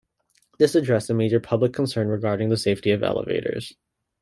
This addressed a major public concern regarding the safety of elevators.